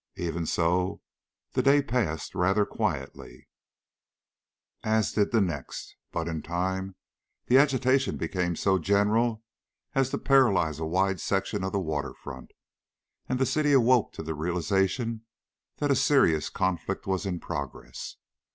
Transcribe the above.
Even so, the day passed rather quietly, as did the next. But in time the agitation became so general as to paralyze a wide section of the water front, and the city awoke to the realization that a serious conflict was in progress.